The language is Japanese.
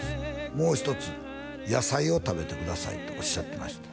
もう一つ野菜を食べてくださいとおっしゃってました